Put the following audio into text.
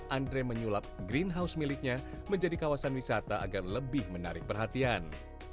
andre menyulap greenhouse miliknya menjadi kawasan wisata agar lebih menarik perhatian